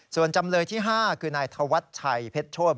ส่วนจำเลยที่๕คือนายธวัชชัยเพชรโชธ